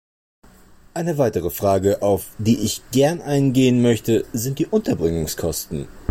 Eine weitere Frage, auf die ich gern eingehen möchte, sind die Unterbringungskosten.